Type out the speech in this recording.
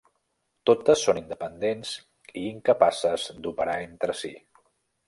Totes són independents i incapaces d'operar entre si.